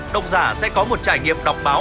đồng giả sẽ có một trải nghiệm đọc báo